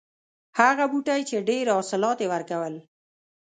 هغه بوټی چې ډېر حاصلات یې ورکول.